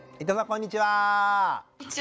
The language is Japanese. こんにちは。